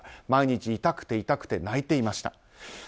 毎日痛くて痛くて泣いていました。